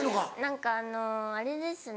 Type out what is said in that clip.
何かあのあれですね。